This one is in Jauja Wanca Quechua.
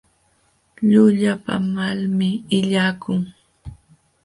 Llullapaamalmi illakun.